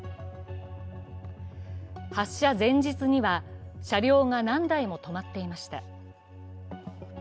発射前日には車両が何台も止まっていました。